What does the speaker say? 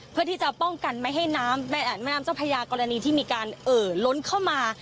เพื่อที่จะป้องกันไม่ให้น้ำในแม่น้ำเจ้าพระยากรณีที่มีการเอ่อล้นเข้ามา